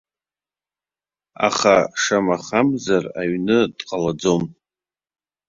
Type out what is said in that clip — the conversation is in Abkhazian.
Аха шамахамзар аҩны дҟалаӡом.